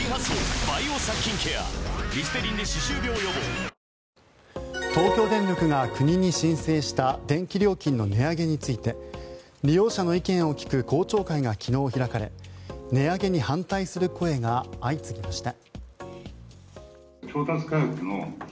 ちょっと千葉さんと仲よくなって東京電力が国に申請した電気料金の値上げについて利用者の意見を聞く公聴会が昨日、開かれ値上げに反対する声が相次ぎました。